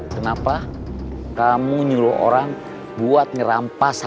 kenapa kamu nyuruh orang buat ngerampas hp saya